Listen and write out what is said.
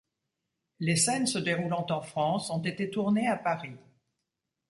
Les scènes se déroulant en France ont été tournées à Paris.